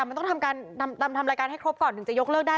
มันต้องทำรายการให้ครบก่อนถึงจะยกเลิกได้